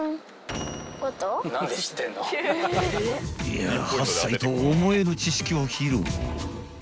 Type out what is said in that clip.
［いや８歳と思えぬ知識を披露］